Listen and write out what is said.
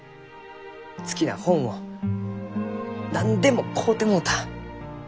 好きな本を何でも買うてもろうた。